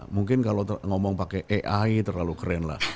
mungkin kalau ngomong pakai ai terlalu keren lah